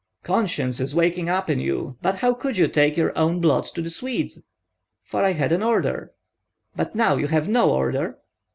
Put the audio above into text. "Conscience is waking up in you. But how could you take your own blood to the Swedes?" "For I had an order." "But now you have no order?"